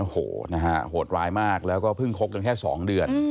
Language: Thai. โหโหดร้ายมากแล้วก็เพิ่งคกจนแค่๒เดือน